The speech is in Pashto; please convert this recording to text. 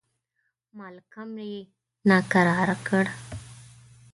مالکم یې ناکراره کړ.